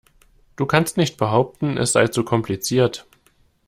Du kannst nicht behaupten, es sei zu kompliziert.